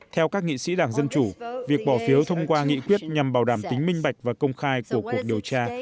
theo các nghị sĩ đảng dân chủ việc bỏ phiếu thông qua nghị quyết nhằm bảo đảm tính minh bạch và công khai của cuộc điều tra